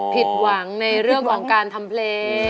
ผิดหวังในวงการทำเพลง